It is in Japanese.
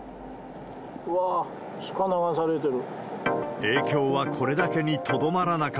うわー、シカ流されてる。